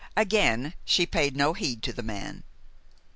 Again she paid no heed to the man.